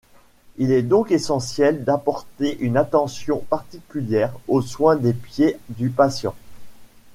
Il est donc essentiel d’apporter une attention particulière au soin des pieds du patient.